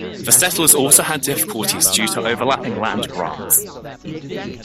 The settlers also had difficulties due to overlapping land grants.